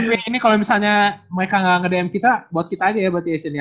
tapi ini kalau misalnya mereka gak nge dm kita buat kita aja ya buat di agent nya